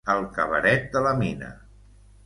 El cabaret de la mina.